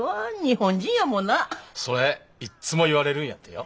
それいっつも言われるんやってよ。